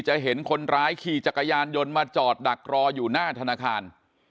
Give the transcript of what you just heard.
เห็นคนร้ายขี่จักรยานยนต์มาจอดดักรออยู่หน้าธนาคาร